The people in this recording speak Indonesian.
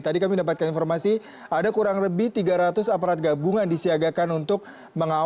tadi kami mendapatkan informasi ada kurang lebih tiga ratus aparat gabungan disiagakan untuk mengawal